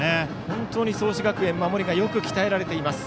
本当に創志学園は守りがよく鍛えられています。